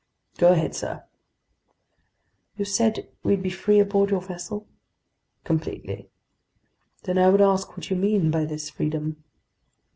"Go ahead, sir." "You said we'd be free aboard your vessel?" "Completely." "Then I would ask what you mean by this freedom."